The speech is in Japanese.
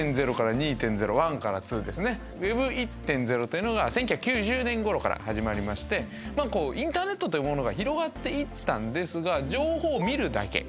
Ｗｅｂ１．０というのが１９９０年ごろから始まりましてこうインターネットというものが広がっていったんですが情報を見るだけ。